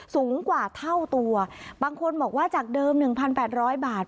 สูงกว่าเท่าตัวบางคนบอกว่าจากเดิมหนึ่งพันแปดร้อยบาท